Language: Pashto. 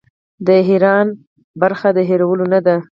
د ایران ونډه د هیرولو نه ده.